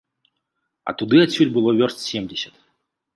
А туды адсюль было вёрст семдзесят.